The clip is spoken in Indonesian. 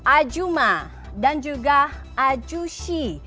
ajuma dan juga ajushi